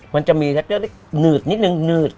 มันจะมีนืดนิดนึงนืด